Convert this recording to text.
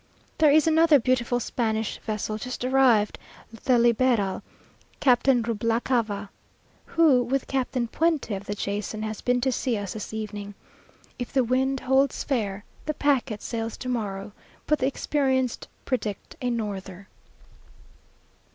There is another beautiful Spanish vessel just arrived, the Liberal, Captain Rubalcava, who, with Captain Puente, of the Jason, has been to see us this evening. If the wind holds fair, the packet sails to morrow; but the experienced predict a norther.